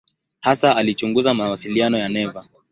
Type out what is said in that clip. Hasa alichunguza mawasiliano ya neva.